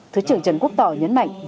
thứ trưởng trần quốc tỏ nhấn mạnh